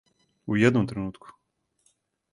У једном тренутку?